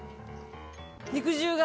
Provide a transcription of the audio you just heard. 肉汁が！